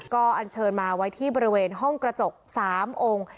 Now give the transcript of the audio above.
ก็อันเชิญมาไว้ที่บริเวณห้องกระจก๓องค์